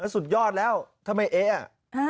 สุดยอดแล้วทำไมเอ้ะ